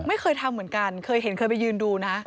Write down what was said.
ไม่เคยทำเหมือนกันเคยเห็นเคยไปยืนดูนะ